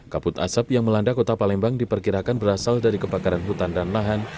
kabut asap yang melanda kota palembang diperkirakan berasal dari kebakaran hutan dan lahan